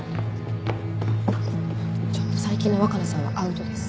ちょっと最近の若菜さんはアウトです。